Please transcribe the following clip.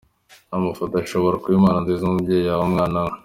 Amafoto ashobora kuba impano nziza umubyeyi yaha umwana we.